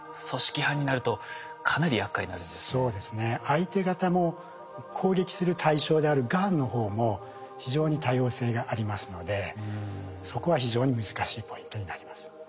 相手方も攻撃する対象であるがんの方も非常に多様性がありますのでそこは非常に難しいポイントになります。